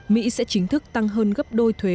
mỹ sẽ chính thức tăng hơn gấp đôi thuế